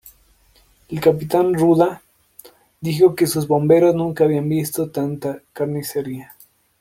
El capitán Ruda dijo que sus bomberos nunca habían visto tanta "carnicería".